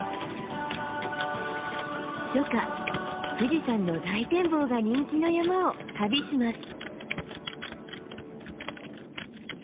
初夏富士山の大展望が人気の山を旅します。